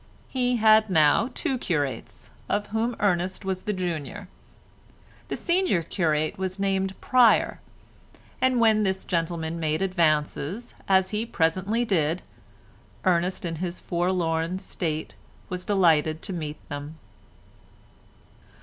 He had now two curates, of whom Ernest was the junior; the senior curate was named Pryer, and when this gentleman made advances, as he presently did, Ernest in his forlorn state was delighted to meet them.